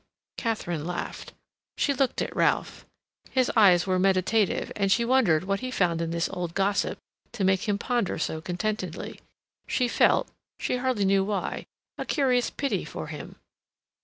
Katharine laughed. She looked at Ralph. His eyes were meditative, and she wondered what he found in this old gossip to make him ponder so contentedly. She felt, she hardly knew why, a curious pity for him.